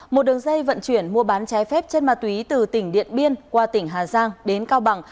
một đường dây vận chuyển mua bán trái phép chất ma túy từ tỉnh điện biên qua tỉnh hà giang đến cao bằng